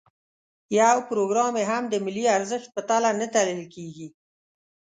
یو پروګرام یې هم د ملي ارزښت په تله نه تلل کېږي.